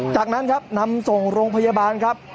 จากนั้นครับนำส่งโรงพยาบาลครับ